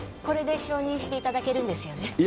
これで承認していただけるんですよね？